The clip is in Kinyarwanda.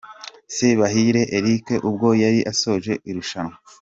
Sebahire Eric ubwo yari asoje irushanwa .